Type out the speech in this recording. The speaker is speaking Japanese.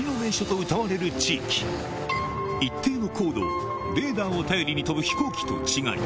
ここは一定の高度をレーダーを頼りに飛ぶ飛行機と違い